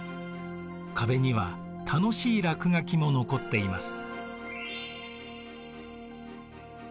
壁には楽しい落書きも残っています。